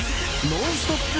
ノンストップ！